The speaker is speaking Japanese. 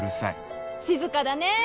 静かだねー！